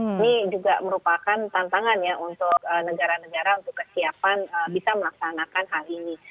ini juga merupakan tantangan ya untuk negara negara untuk kesiapan bisa melaksanakan hal ini